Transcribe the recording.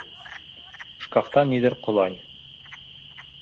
Шкафта ниҙер ҡолай.